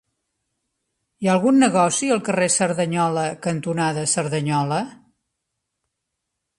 Hi ha algun negoci al carrer Cerdanyola cantonada Cerdanyola?